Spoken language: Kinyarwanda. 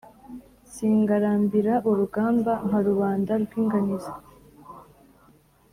Singarambira urugamba nka rubanda rw’inganizi,